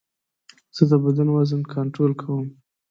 زه د بدن وزن کنټرول کوم.